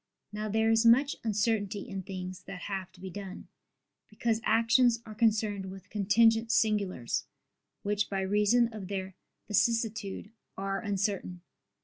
Now there is much uncertainty in things that have to be done; because actions are concerned with contingent singulars, which by reason of their vicissitude, are uncertain.